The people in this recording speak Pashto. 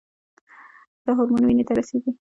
دا هورمون وینې ته رسیږي.